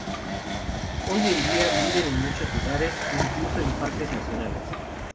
Hoy en día viven en muchos lugares, incluso en parques nacionales.